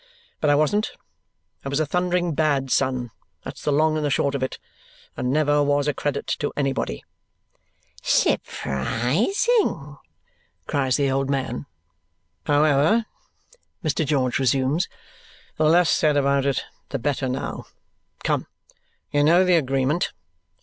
But I wasn't. I was a thundering bad son, that's the long and the short of it, and never was a credit to anybody." "Surprising!" cries the old man. "However," Mr. George resumes, "the less said about it, the better now. Come! You know the agreement.